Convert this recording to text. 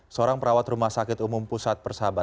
seorang perawat rumah sakit umum pusat persahabatan